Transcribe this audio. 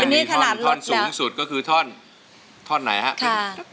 มีท่อนสูงสุดก็คือท่อนท่อนไหนฮะ